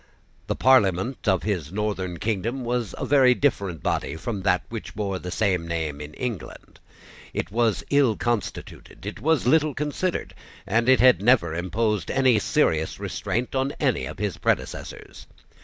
The Parliament of his northern kingdom was a very different body from that which bore the same name in England. It was ill constituted: it was little considered; and it had never imposed any serious restraint on any of his predecessors.